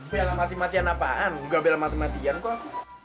bela mati matian apaan nggak bela mati matian kok